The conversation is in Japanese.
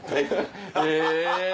へぇ！